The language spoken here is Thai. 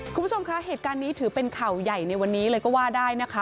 คุณผู้ชมคะเหตุการณ์นี้ถือเป็นข่าวใหญ่ในวันนี้เลยก็ว่าได้นะคะ